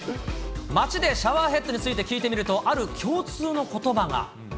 街でシャワーヘッドについて聞いてみると、ある共通のことばが。